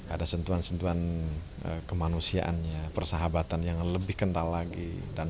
ada sentuhan sentuhan kemanusiaannya persahabatan yang lebih kental lagi